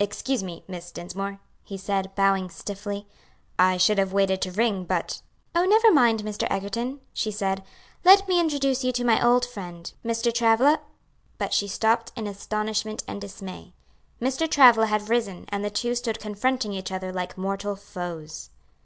"Excuse me, Miss Dinsmore," he said, bowing stiffly, "I should have waited to ring, but " "Oh, never mind, Mr. Egerton," she said; "let me introduce you to my old friend, Mr. Travilla " But she stopped in astonishment and dismay. Mr. Travilla had risen, and the two stood confronting each other like mortal foes.